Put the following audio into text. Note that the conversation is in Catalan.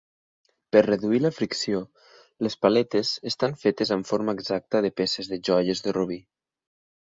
Per reduir la fricció, les paletes estan fetes amb forma exacta de peces de joies de robí.